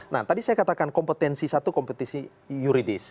nah tadi saya katakan kompetensi satu kompetisi yuridis